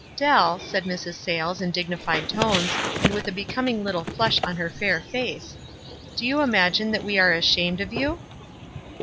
"Dell," said Mrs. Sayles, in dignified tones, and with a becoming little flush on her fair face, " do you imagine that we are ashamed of you